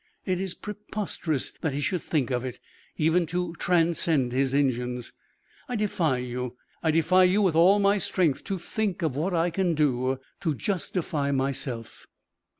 It is preposterous that he should think of it even to transcend his engines. I defy you, I defy you with all my strength, to think of what I can do to justify myself!"